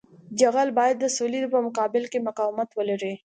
جغل باید د سولېدو په مقابل کې مقاومت ولري